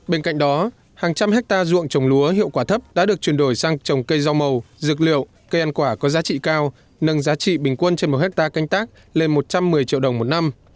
bên cạnh đó hàng trăm hectare ruộng trồng lúa hiệu quả thấp đã được chuyển đổi sang trồng cây rau màu dược liệu cây ăn quả có giá trị cao nâng giá trị bình quân trên một hectare canh tác lên một trăm một mươi triệu đồng một năm